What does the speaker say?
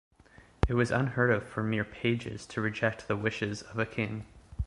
It was unheard of for mere pages to reject the wishes of a king.